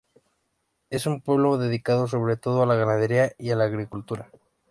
Es un pueblo dedicado sobre todo a la ganadería y a la agricultura.